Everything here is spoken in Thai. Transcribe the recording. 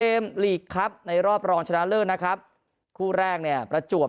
ลีกครับในรอบรองชนะเลิศนะครับคู่แรกเนี่ยประจวบ